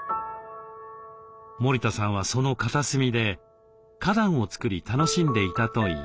森田さんはその片隅で花壇をつくり楽しんでいたといいます。